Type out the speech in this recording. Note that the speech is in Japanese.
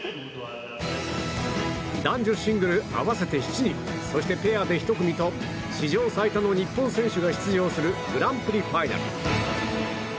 男女シングル合わせて７人そしてペアで１組と史上最多の日本選手が出場するグランプリファイナル。